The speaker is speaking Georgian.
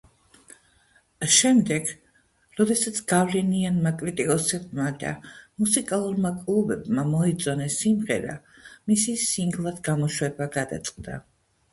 შემდეგ, როდესაც გავლენიანმა კრიტიკოსებმა და მუსიკალურმა კლუბებმა მოიწონეს სიმღერა, მისი სინგლად გამოშვება გადაწყდა.